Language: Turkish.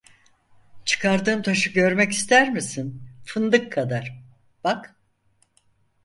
Çıkardığım taşı görmek ister misin? Fındık kadar… Bak!